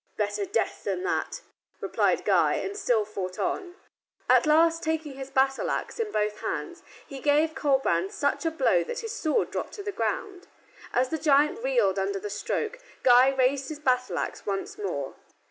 "Better death than that," replied Guy, and still fought on. At last, taking his battle axe in both hands, he gave Colbrand such a blow that his sword dropped to the ground. As the giant reeled under the stroke, Guy raised his battle axe once more.